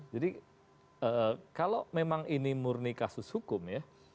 jadi kalau memang ini murni kasus hukum ya